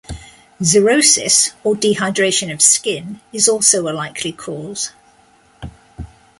Xerosis, or dehydration of skin is also a likely cause.